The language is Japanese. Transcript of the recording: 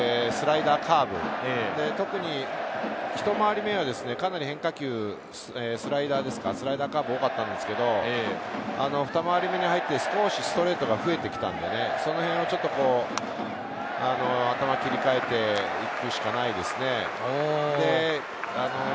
ストレートとカット、スライダー、カーブ、特にひと回り目はかなり変化球、スライダー、カーブが多かったんですけれど、ふた回り目に入って少しストレートが増えてきたので、そのへんちょっと頭を切り替えていくしかないですね。